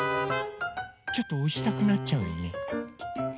ちょっとおしたくなっちゃうよね。